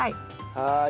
はい！